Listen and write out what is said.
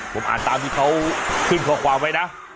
ผมอ่านตามที่เขาขึ้นข้อความไว้นะ